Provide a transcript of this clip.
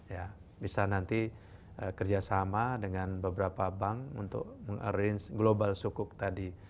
ya bisa nanti kerjasama dengan beberapa bank untuk meng arrange global sukuk tadi